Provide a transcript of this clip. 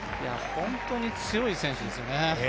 本当に強い選手ですね。